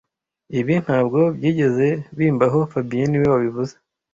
Ibi ntabwo byigeze bimbaho fabien niwe wabivuze